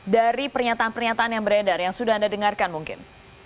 dari pernyataan pernyataan yang beredar yang sudah anda dengarkan mungkin